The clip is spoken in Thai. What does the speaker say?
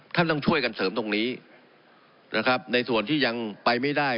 ท่านต้องช่วยกันเสริมตรงนี้นะครับในส่วนที่ยังไปไม่ได้